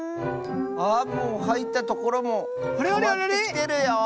あもうはいったところもかわってきてるよ！